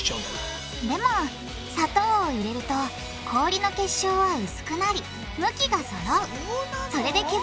でも砂糖を入れると氷の結晶は薄くなり向きがそろうそうなの？